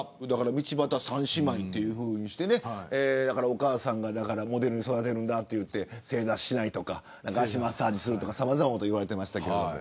道端三姉妹としてお母さんがモデルに育てると言って正座しないとか足をマッサージするとかさまざまなこと言われてましたけど。